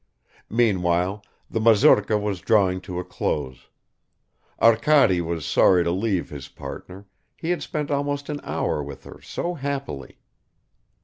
Meanwhile the mazurka was drawing to a close. Arkady was sorry to leave his partner, he had spent almost an hour with her so happily!